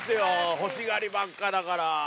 欲しがりばっかだから。